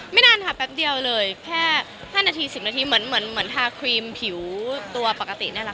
นานค่ะแป๊บเดียวเลยแค่๕นาที๑๐นาทีเหมือนทาครีมผิวตัวปกตินี่แหละค่ะ